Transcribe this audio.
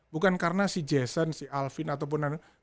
bukan karena si jason si alvin ataupun